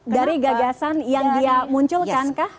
dari gagasan yang dia munculkan kah